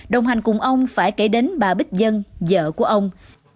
đồng hành cùng ông phải kể đến bà bích dân vợ của ông